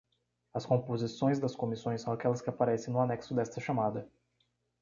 As composições das comissões são aquelas que aparecem no anexo desta chamada.